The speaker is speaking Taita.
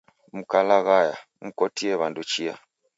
Mkalaghaya, mkotie w'andu chia